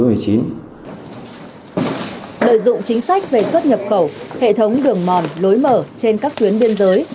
lợi dụng chính sách về xuất nhập khẩu hệ thống đường mòn lối mở trên các tuyến biên giới